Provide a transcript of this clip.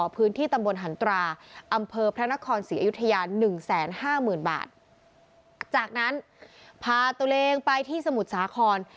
พื้นที่ตำบลหันตราอำเภอพระนครศรีอยุธยา๑๕๐๐๐บาทจากนั้นพาตัวเองไปที่สมุทรสาคร